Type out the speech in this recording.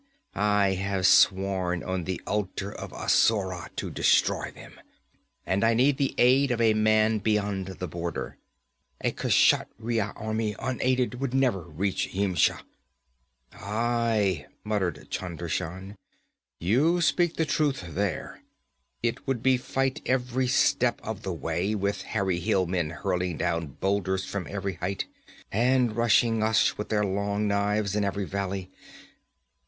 'But I have sworn on the altar of Asura to destroy them! And I need the aid of a man beyond the border. A Kshatriya army, unaided, would never reach Yimsha.' 'Aye,' muttered Chunder Shan. 'You speak the truth there. It would be fight every step of the way, with hairy hill men hurling down boulders from every height, and rushing us with their long knives in every valley.